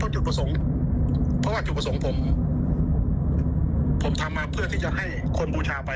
จุดประสงค์ผมทำมาเพื่อสามารถให้คนบูชาไป